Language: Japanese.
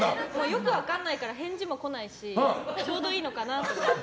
よく分からないから返事も来ないしちょうどいいのかなと思って。